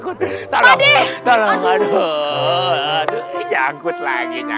kalau nggak masuk bisa bisa muncul di sini